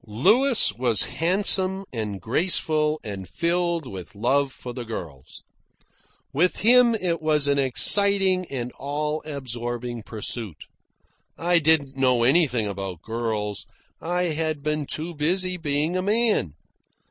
Louis was handsome, and graceful, and filled with love for the girls. With him it was an exciting and all absorbing pursuit. I didn't know anything about girls. I had been too busy being a man.